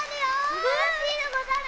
・すばらしいでござる！